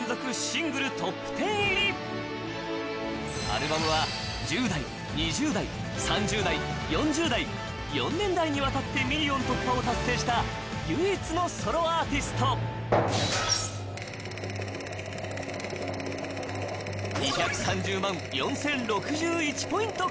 アルバムは１０代２０代３０代４０代４年代にわたってミリオン突破を達成した唯一のソロアーティスト２３０万４０６１ポイント